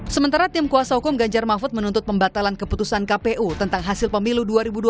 sementara tim kuasa hukum ganjar mahfud menuntut pembatalan keputusan kpu tentang hasil pemilu dua ribu dua puluh